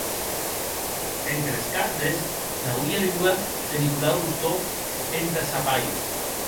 Entre es cartes n’auie ua de Nikolai Rostov entà sa pair.